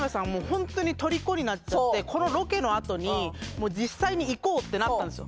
ホントに虜になっちゃってそうこのロケのあとに実際に行こうってなったんですよ